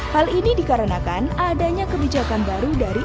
hal ini dikarenakan adanya kebijakan baru dari